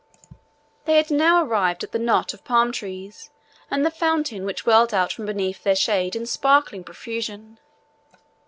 They had now arrived at the knot of palm trees and the fountain which welled out from beneath their shade in sparkling profusion.